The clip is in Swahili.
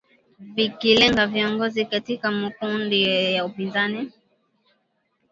vikilenga viongozi katika makundi ya upinzani